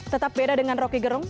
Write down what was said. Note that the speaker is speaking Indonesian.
tetap beda dengan roky gerung